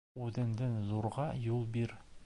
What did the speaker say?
Үҙендән ҙурға юл бир.